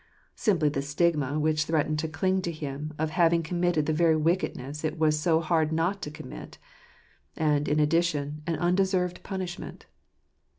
Simply the stigma which threatened to cling to him of having committed the very wickedness it was so hard not to commit ; and, in addition, an undeserved punishment.